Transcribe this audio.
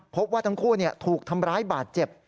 พบว่าทั้งคู่ถูกทำร้ายบาดเจ็บ